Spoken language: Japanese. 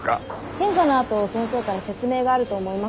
検査のあと先生から説明があると思います。